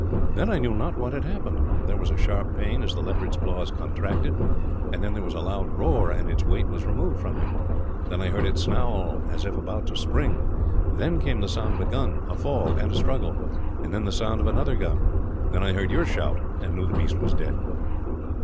"Then I knew not what had happened. There was a sharp pain as the leopard's claws contracted, and then there was a loud roar, and its weight was removed from me. Then I heard it snarl, as if about to spring. Then came the sound of a gun, a fall, and a struggle; and then the sound of another gun. Then I heard your shout, and knew the beast was dead.